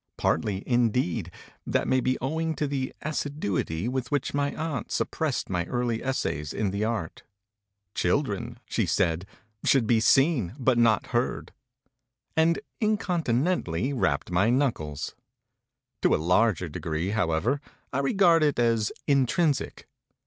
Partly, indeed, that may be owing to the assiduity with which my aunt suppressed my early essays in the art: "Children," she said, "should be seen but not heard," and incontinently rapped my knuckles. To a larger degree, however, I regard it as intrinsic.